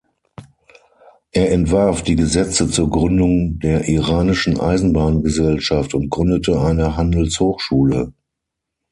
Er entwarf die Gesetze zur Gründung der iranischen Eisenbahngesellschaft und gründete eine Handelshochschule.